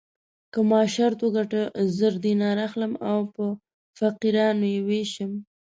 که ما شرط وګټه زر دیناره اخلم او په فقیرانو یې وېشم.